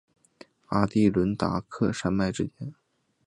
阿第伦达克山脉之间。